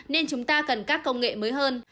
nên chúng ta cần các công nghệ mới hơn